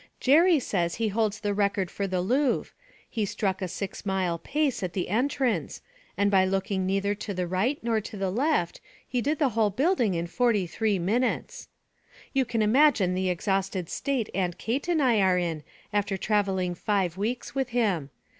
'Jerry says he holds the record for the Louvre; he struck a six mile pace at the entrance, and by looking neither to the right nor the left he did the whole building in forty three minutes. 'You can imagine the exhausted state Aunt Kate and I are in after travelling five weeks with him.